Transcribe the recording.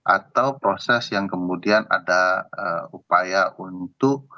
atau proses yang kemudian ada upaya untuk